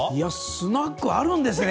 スナックあるんですね